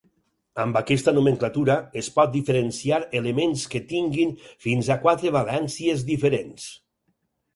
Amb aquesta nomenclatura es pot diferenciar elements que tinguin fins a quatre valències diferents.